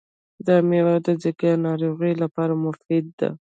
دا مېوه د ځیګر ناروغیو لپاره مفیده ده.